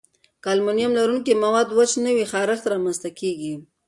که المونیم لرونکي مواد وچ نه وي، خارښت رامنځته کېږي.